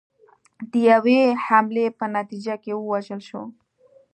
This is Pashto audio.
د یوې حملې په نتیجه کې ووژل شول.